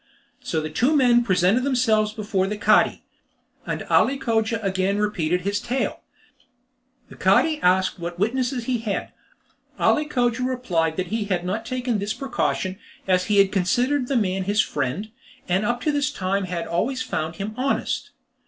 So the two men presented themselves before the Cadi, and Ali Cogia again repeated his tale. The Cadi asked what witnesses he had. Ali Cogia replied that he had not taken this precaution, as he had considered the man his friend, and up to that time had always found him honest.